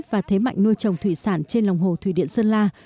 và thế mạnh nuôi trồng thủy sản trên lòng hồ thủy điện sơn la